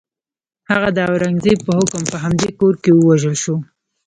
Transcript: هغه د اورنګزېب په حکم په همدې کور کې ووژل شو.